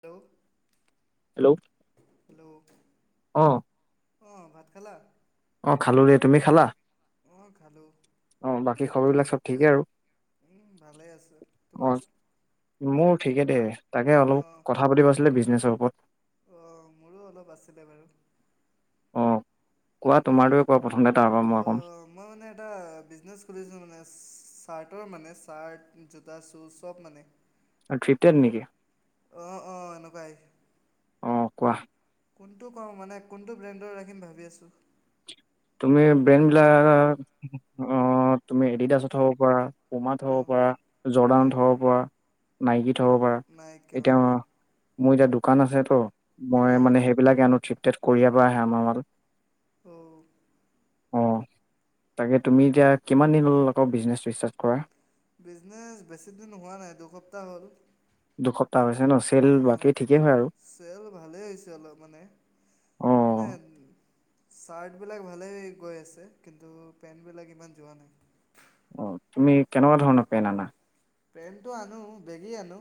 Hello. Hello অ, অ ভাত খালা। অ খালো দেই তুমি খালা। অ খালো। খবৰবিলাক চব ঠিকেই আৰু উম ভালে আছে অ তোমাৰ। মোৰ ঠিকে দে, তাকে অলপ অঁ কথা পাতিব আছিলে বিজনেছৰ ওপৰত। অঁ মোৰো অলপ আছিলে বাৰু অ কোৱা তোমাৰটয়ে কোৱা প্ৰথমতে তাৰ পৰা মই কম। অঁ মই মানে এটা বিজনেছ খুলিছোঁ মানে চাৰ্টৰ মানে চাৰ্ট জোতা চুজ চব মানে আৰু ট্ৰিপট নেকি। অহ অহ এনেকুৱাই। অ কোৱা। কোনটো কওঁ মানে কোনটো ব্ৰেণ্ডৰ ৰাখিম ভাবি আছো। তুমি ব্ৰেইন বিলাক অহ তুমি এডিডাছ থব পাৰা। পমা থ হ'ব অঁ পাৰা জৰ্দানথ অঁ হ'ব পৰা নাইকী থ না হব পাৰা নাইকি এতিয়া অঁ মোৰ এতিয়া দোকান আছে তো মই অঁ মানে সেইবিলাকে আনোঠিত তেট কৰিয়াৰ আহে আমাৰ মাল অ অ তাকে তুমি এতিয়া কিমান দিন আকৌ বিজনেচ ষ্টাৰ্ট কৰা বিজনেচ বেছি দিন হোৱা নাই দুসপ্তাহ হ'ল দুসপ্তাহ হৈছে ন চেল অহ বাকী ঠিকেই হয় আৰু চেল ভালেই হৈছে অলপ মানে অ মানে চাৰ্টবিলাক ভালেই গৈ আছে কিন্তু পেণ্টবিলাক ইমান যোৱা নাই অ তুমি কেনেকুৱা ধৰণৰ পেন আনা পেন্টটো আনো বেগি আনো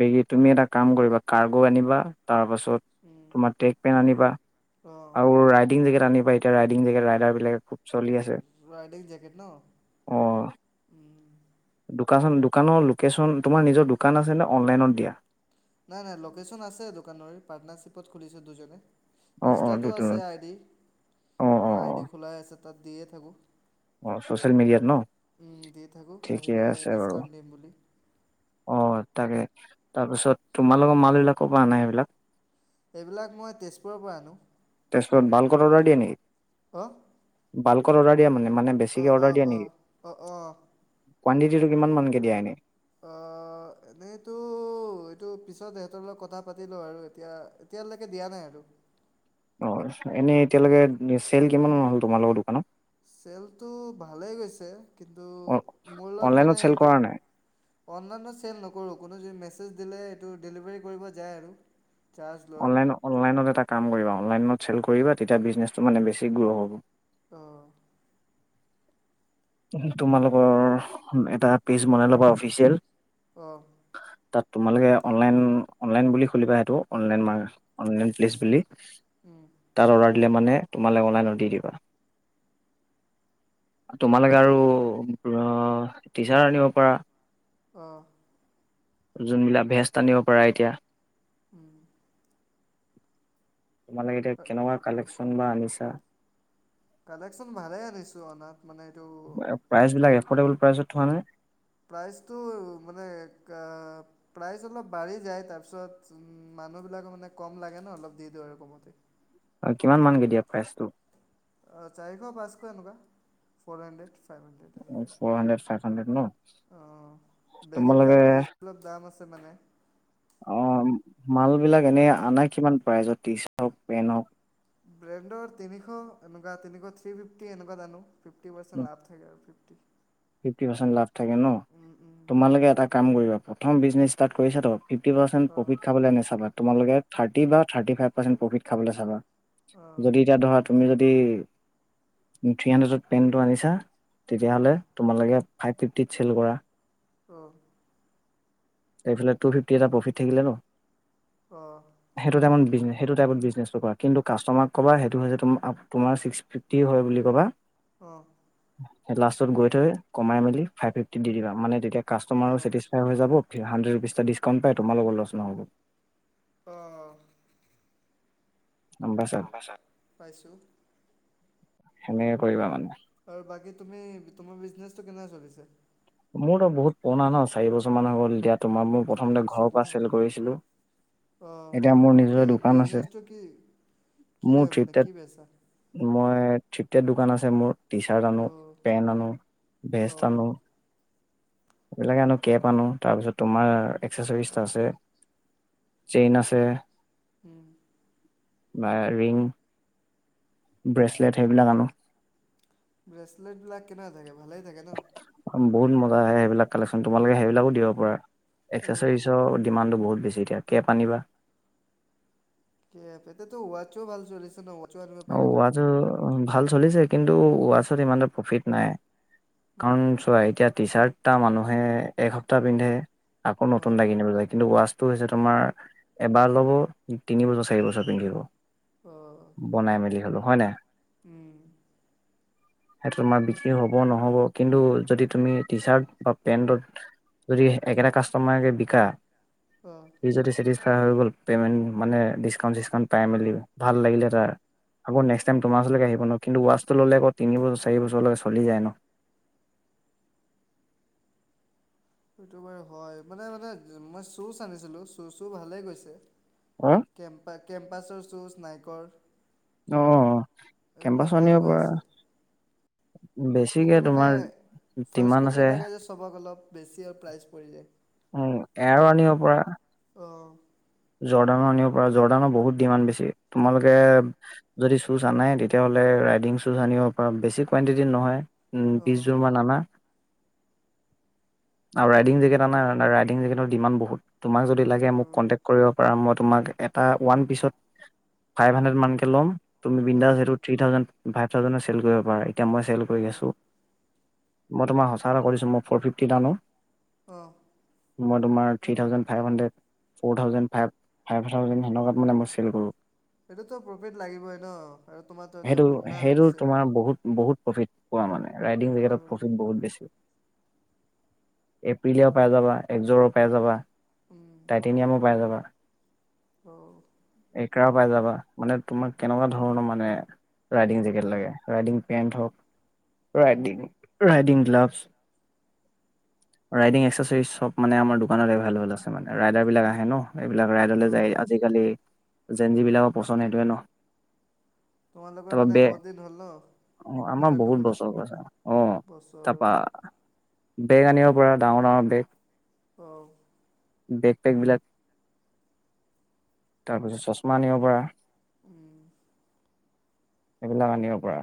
বেগ তুমি এটা কাম কৰিবা কাৰ্গো আনিবা তাৰপাছত তোমাৰ টেক পেন আনিবা অঁ আৰু ৰাইডিং জেকেট আনি বা এতিয়া ৰাইডিং জেগ ৰাইডাৰ বিলাকে খব ৰাইডিং জেকেট ন অ উম দোকান দোকানৰ লোকেশ্যন তোমাৰ নিজৰ দোকান আছে নে অনলাইনত দিয়া নাই নাই লোকেচন আছে দোকান পাৰ্টনাৰশ্বিপত খুলিছে দুজনে অ অ ইনষ্টাতো দুটোনত আছে আইডি অ অ আমাৰ অ আইডি খোলাই আছে তাত দিয়ে থাকোঁ অ ছচিয়েল মিডিয়াত ন দি থাকোঁ ঠিকে আহিলে আছে বাৰু ডিছকাউণ্ট দিম বুলি অ তাকে তাৰপিছত তোমাল লগোকৰ মাল বিলাকো পৰা নাই সেইবিলাক এইবিলাক মই তেজপুৰৰ পৰা আনো তাৰপিছ ভাল অৰ্ড দিয় নেকি আহ বালকৰ অৰ্ডাৰ দিয়াানে মানে বেছিকে অৰ্ডাৰ দিয়া অঁ নেকি অঁ অঁ কুৱণ্টিটিটো কিমানানক দিয়া এনে অ এনেইতো এইটো পিছত সিহঁতৰ লগত কথা পাতিলো আৰু এতিয়া এতিয়ালালৈকে দিয়া নাই আৰু অ এনেই এতিয়ালৈকে চল কিমান হ'ল তোমাল লগোকৰ দোকানত চেলটো ভালেই গৈছে কিন্তু অ মোৰ লগত অনলাইনত মানে চেল এইটো কৰা নাই? অনলাইনত চেল নকৰো কোনো য ম জ দিলে এইটো ডেলিভাৰী কৰিব যায় আৰু চাৰ্জ লয় লাইন অনলনত এটা কাম কৰিব অনলনতেল কৰিব অ', তে মানে বেছি গ্ৰ হ'ব অ তোমালোকৰ এটা পেজ বনাই ল'বা অফিচিয়েল আহ তাত তোমালোকে অনলাইন অনলাইন বুলি খলিবা সেইটো অনলাইন মা অনলাইন প্লেচ উম, বুলি উম, তাৰ অ [unintelligible] মানে তোমালে অনলাই নত দি দিবা তোমালোকে আৰু টিচাৰ্ট আনিব পাৰা অ যোনবিলাক ভেজ টানিব পাৰে এতিয়া উম তোমালাকে এতিয়া কেনেকুৱা কালেকশ্যন [unintelligible] কালেকশ্যন ভালে আনিছো অনাত মানে এইটো প্ৰাইচ বিলাক এফৰ্ডেবল প্ৰাইচত থোৱা নাই প্ৰাইচটো মানে কা প্ৰাইচ অলপ বাঢ়ি যায় তাৰপিছত মানুহবিলাকে মানে কম লাগে ন অলপ দি দিওঁ আৰু কমতে অ কিমান মানকে দিয়া প্ৰাইচটো অ চাৰিশ পাঁচশ এনেকুৱা ফ'ৰ হাণ্ড্ৰেড ফাইভ হাণ্ড্ৰেড এনেকুৱাই ফৰ হাড্ৰেড ফাইভ হাড্ৰেড ন অঁ তোমালোকে বেগীবিলাকৰ বেছি অলপ দাম আছে মানে অ মাল বিলাক এনে আনা কিমান প্ৰাইজত। টি চাৰ্ট হওক পেণ্ট হওক ব্ৰেণ্ডৰ তিনিশ এনেকুৱা তিনিশ থ্ৰি ফিফটি এনেকুৱাত আনো ফিফটি পাৰ্ছেন লাভ থাকে ফিফটি পাৰ্চেন্ট লাভ থাকে ন উম উম তোমালোকে এটা কাম কৰিবা। প্ৰথম বিজনেছ ষ্টাৰ্ট কৰিছাতো। ফিফটি পাৰ্চেণ্ট অঁ প্ৰফিট খাবনে নেচাবা। তোমালোকে থাৰ্টি বা থাৰ্টি ফাইভ পাৰ্চেণ্ট প্ৰফিট খাবলৈ চাবা। অঁ যদি এতিয়া ধৰা তুমি যদি থ্ৰী হাণ্ড্ৰেডত পেনটো আনিছা। তেতিয়াহ'লে অঁ ফাইভ ফিফটিত চেল কৰা। অহ। এইফালে টু ফিফটি এটা প্ৰফিট থাকিলে ন'। অহ। জনে সেইটো টাইপ বিজনেছটো কৰা কিন্তু কাষ্টমাৰ ক'বা সেইটো যে তোমাৰ ছিক্স ফিফটি হয় বুলি কবা। অহ। লাষ্টত গৈ কমাই মেলি ফাইভ ফিফটি দি দিবা মানে তেতিয়া কাষ্টমাৰো অঁ ছেটিছফাই হৈ যাব। হাণ্ড্ৰেড ৰুপিছটা ডিছকাউণ্ট পাই তোমাৰ লগত লচ নহ'ব। আহ। গম পাইছা? পাইছো। সেনেকে কৰিবা মানে। আৰু বাকী তুমি তোমাৰ বিজনেচটো কেনেকুৱা চলিছে? মোৰতো বহুত পুৰণা ন চাৰি বছৰ মান হৈ গল এতিয়া। তোমাক মোৰ চাৰি প্ৰথমতে বছৰ ঘৰৰ পৰা ন চেল কৰিছিলো অ এতিয়া মোৰ কি নিজৰে দোকান আছে। বিজনেচটো কি কি মোৰ হয় মানে থ্ৰিতে কি বেচা মই থৃটেদ দোকান আছে মোৰ টি চাৰ্ট অ আনো পেন্ট আনো, অ ভেষ্ট আনো। সেইবিলাকে আনো কেপ আনো তাৰপিছত তোমাৰ এক্সেচাৰিজ আছে চেইন আছে। উম। বা ৰিং ব্ৰেচলেট সেইবিলাক আনো। ব্ৰেচলেট বিলাক কেনেকা থাকে। ভালেই থাকে ন। বহুত মজা আহে সেইবিলাক কালেকশ্যন তোমালোকে সেইবিলাকো দিব পাৰা। অ এক্সেচাৰিছ ডিমানটো বহুত বেছিকে কেপ আনিবা। কেপ এতিয়া তো ৱাতচো ভাল ছলিছে ন ৱাটছো আনিব ঔ পাৰি ওৱাছ [unintelligible] ওম ভাল চলিছে কিন্তু ৱাটছত ইমান এটা প্ৰফিট নাই। কাৱণ উম, চোৱা এতিয়া টি-চাৰ্ট টা মানুহে এক সপ্তাহ পিন্ধে আকৌ অ নতুন এটা কিনিব লে কিন্তু ওৱাছ হৈছে তোমাৰ এবাৰ ল'ব তিনি বজৰ চাৰি বছৰ পিন্ধিব। অ [unintelligible] বনাই মেলি হলো হয় নাই। উম [unintelligible] সেইটো তোমাৰ বিক্ৰী হব নহব কিন্তু যদি তুমি টি চাৰ্ট বা পেণ্টত যদি একেটা কাষ্টমাৰকে বিকা। অ জদি চেটি হৈ গল পেমেণ্ট মানে দিচকাউণ্ট চিচউন্ট পাই মেলি ভাল লাগিলে এটা। আকৌ তোমাৰ ওচলৈকে আহিব ন কিন্তু ৱাছটো ল'লে আকৌ তিন বছৰ চাৰি বছৰলৈকে চলি যায় ন,, সটো বাৰু হয় মানে মানে, মই চুচ আনিছিলো চুচও ভালে গৈছে, কেম্প কেম্পাছৰ জুচ নাই। ঘৰ। আহ, কেম্পাছন গৈ পৰা আছে বেছিকে কিন্তু মানে তোমাৰ ফাৰ্ষ্ট ডিমাণ্ড কপি আছে লাগে যে চব অলপ বেছি আৰু প্ৰাইচ পৰি উম, এয়াৰো যায় আহ। জৰ্দানৰ আনিব পৰা জৰ্দানৰ বহুত ডিমাণ্ড বেছি তোমালোকে যদি শ্বুজ আনাই তেতিয়াহ'লে ৰাইডিং শ্বুজ আনিব পৰাা বেছি কুৱণ্টিটিত নহয়। উম বিশ অ', জোৰ মান আনা আৰু ৰাইডিং জেকেট নাই, ৰাইডিং জেকেটৰ ডিমান বহুত। তোমাক যদি লাগে মোক অ', কণ্টেক কৰিব পাৰা মই এটা ওৱান পিচত ফাইভ হুন্দ্ৰেদ কেই লম তুমি বিন্দাচ অ', এইটো থ্ৰী থাউজেণ্ড ফাইভ থাউজেণ্ডত চেল কৰিব পাৰিব। এতিয়া মই চেল কৰি অ', আছো মই তোমাক সঁচা এৰা কৰিছোঁ মই ফ'ৰ ফিফটিত আনো আহ মই তোমাৰ three thousand five hundred four thousand five five thousand সেনেকুৱাত মান মই চেল কৰো সেইটোতো প্ৰফিট লাগিবই ন আৰু তোমাৰো এতিয়া সেইটো পূৰ্ণা সেইটো হৈছে তোমাৰ বহুত বহুত প্ৰফিট পোৱা মানে ৰাইডিং জেকটত অ', প্ৰফিট বহুত বেছি এপ্ৰিলেও পাই যাবা একযৰেও পাই যাবা উম তেতিনিয়া মোৰ পাই যাবা অ পাই যাবা মানে তোমাক কেনেকুৱা ধৰণৰ মানে ৰাইডিং জেকেট ল ৰাইডিং পেন্ট হক ৰাইং ৰাইডিং গ্লাভছ ৰাইডিং এক্সেছেৰিচ চব মানে আমাৰ দোকানত এভলেবল আছে মানে ৰাইডাৰ উম, বিলাক আহে ন এইবিলাক ৰাইডাৰলৈ যায় অ', আজিকালি জেন যিবিলাকৰ পচন্দ সেইটোৱে ন তোমালোকৰ তাৰপা মানে বে বহুত দিন হ'ল ন অ আমাৰ দোকানটো বহুত খোলা বছৰ কছে আহ বছৰ তাৰাপা বেগ আনিব পৰা ডাঙৰ ডাঙৰ বেগ অ বেগ পেগ বিলাক তাৰপিছত চশমা নিব পৰা উম সেইবিলাক আনিব পৰা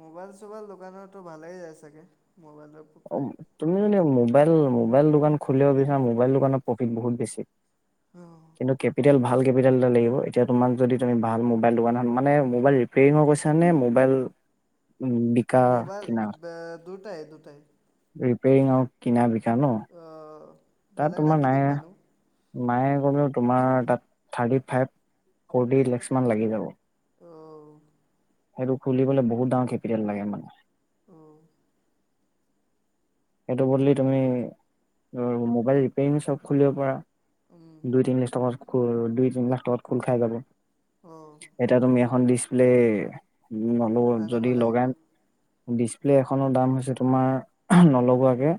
মোবাইল চোবাইল দোকানততো ভালেইয় চাগে মোবাইলৰ অ প্ৰায় তুমি প্ৰফিট মানে মোবাইল মোবাইল দোকান খুলিব বিচাৰ মোাইল দোকানত প্ৰফিট বহুত বেছি অ', কিন্তু কেপিটেল ভাল ভাল কেপিটেল এটা লাগিব এতিয়া তোমাক যদি তুমি ভাল মোবাইল দোকানখন মানে মোবাইল ৰিপেয়ৰিঙৰ কৈছা নে মোবাইল উ বিকা মোবাইল কিনাৰ দুটাই দুটাই ৰিপেৰিং আওঁ কিনা বি তা ন তাত বেলেগ তোমাৰ ৰাখি নাই দিম মানুহ নায় তোমাৰাত থাৰটি ফইব ফৰ্টি লেস্ক মানলাগি যাব অঁ সেইটো খুলিবলৈ বহুত ডাঙৰ কেপিটেল লাগে মানে আহঁ সেইটো বদলি তুমি মবাইল ৰিপয়াৰং চব খুলিব পাৰা উম দুই তিনি লিছমাৰ দুই তিনি লাখ টকাত খোল খাই যাব অঁ এতিয়া তুমি খন ডিচপ্লে উম হলেও আনিব যদি লাগিব লগাইাম ডিচপ্লে এখনৰ দাম হৈছে তোমাৰ লগোৱাকে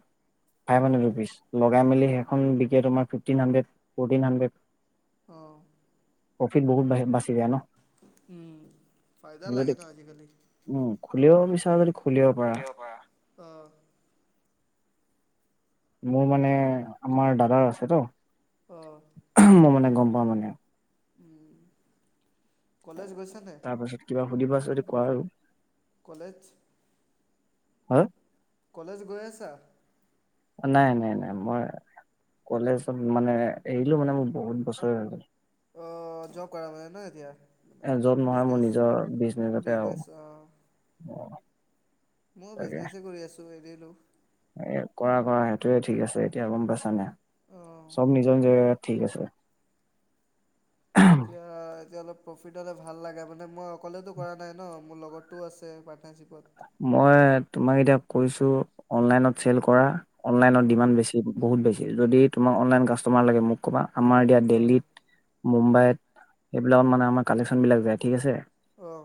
ফাইভ হান্দ্ৰেদ অঁ ৰুপিচ লগাই মলি অঁ হেখন বিকে তোমাৰ ফিফটিন হাণ্ড্ৰেড ফৰ্টিন হাণ্ড্ৰেড অঁ প্ৰফিট বহুত বাচি যায় ন উম ফাইদা লাগে যদি ন আজিকালি উম খুলিব বিচৰা যদি খুলিব পাৰা অঁ মোৰ মানে আমাৰ দাদাৰ আছে তো অঁ মই মানে গম সমনিয়া কলেজ গৈছা নাই তাৰ পাছত কিবা সুধিবা যদি কৰো কলেজ হাঁ কলেজ গৈ আছা নাই নাই নাই মই কলেজত মানে এৰিলো মানে মোৰ বহুত বছৰ আগত অঁ জব কৰা মানে ন এতিয়া মানে এজন নহয় মোৰ বিজনেছ নিজৰ বিজনেছতে বিজনেছ আৰু মই তাকে বিজনেচ কৰি আছো এনেই হেল্ল' এ কৰা কৰা সেইটোয়ে ঠিক আছে এতিয়া গম পাইছানে? অঁ চব নিজৰ যে ঠিক আছে এতিয়া যেতিয়ালৈ প্ৰফিট হলে ভাল মানে মই অকলেতো কৰা নাই ন মোৰ লগতো আছে পাটনাৰ মই তোমাক এতিয়া কৈছো অনলাইনত চেল কৰা অনলাইনৰ ডিমাণ্ড অঁ বেছি বহুত বেছি যদি তোমাক অনলাইন কাষ্টমাৰ লাগে মোক ক'বা আমাৰ এতিয়া অঁ দিল্লীত মুম্বাইত এইবিলাকত মানে আমাৰ কালেকশ্যন বিলাক যায় ঠিক আছে অঁ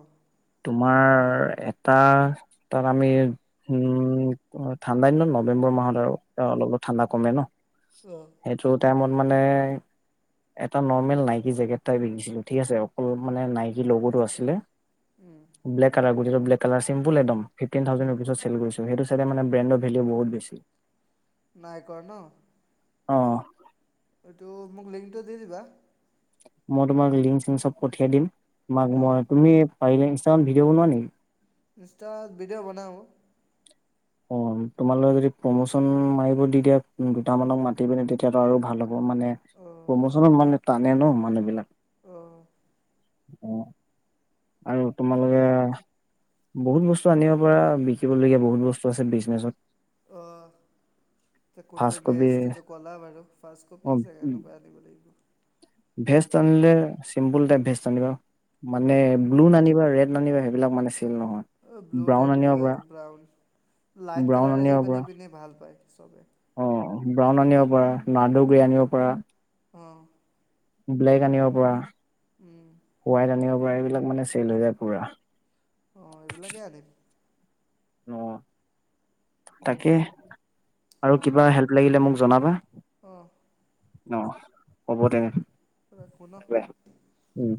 তোমাৰ এ এটাৰৰ তাত আমি উম ঠাণ্ডা দিনত নৱেম্বৰ মাহত আৰু অলপ অলপ ঠাণ্ডা কমে ন অঁ সেইটো টাইমত মানে এটা নৰ্মেল নাইকি জেকেট তাই বিকিছিলো ঠিক আছে অকল মানে নাইকি লগটো আছিলে উম ব্লেককালাৰ এইটো ব্লেক কালাৰ চিম্পুল একদম। ফিফটিন উম থাউজেণ্ড ৰূপিছত চেল কৰিছো। সেইটো চাইডে মানে ব্ৰেণ্ডৰ ভেলিউ বহুত বেছি। নাই কৰা ন। অ'। এইটো মোক লিংকটো দি দিবা। মই তোমাক লিংক-চিং চব পঠিয়াই দিম। তোমাক অঁ মই। তুমি [unintelligible] বনোৱা নেকি? ইনষ্টাত ভিডি'অ বনাও। অ' তোমালোকে যদি প্ৰমোচন মাৰিব দি দিয়া দুটামানক মাতি পিনে তেতিয়াতো আৰু ভাল হ'ব। মানে প্ৰমোচন মানে। টানে ন মানুহবিলাক। অ। অ। আৰু তোমালোকে, বহুত বস্তু আনিব পাৰা। বিকিবলগীয়া বহুত বস্তু। বিজনেজত। অ। কোনটো ফাৰ্ষ্ট কবি বেষ্ট এইটো ক'লা বাৰু। ফাষ্টকপি যে, এনেকুৱা আনিব লাগিব। ভেস্ত আনিলে চিম্পুল টাইপ ভেস্ত আনিবা। মানে অঁ ব্লু নানিবা, ৰেড ননিবা সেইবিলাক মানে ছে অ, ব্লু ৰেড বা ব্ৰাউন। লাইট ব্ৰাউন কালাৰ আনিব পৰা আজিকালি পিন্ধি ভাল পায়। চবে। অ। ব্ৰাউন আনিব পাৰা, নাৰ্ডু গ্ৰে আনিব পাৰা। অ। ব্লেক আনিব পাৰা। উম হোৱাইট আনিব পুৰা এইবিলাক মানে চেল হৈ যায় পুৰা। অ এইবিলাকেই আনিম। অ তাকে। আৰু কিবা হেল্প লাগিলে মোক জনাবা। অ। ন হ'ব তেনে উম।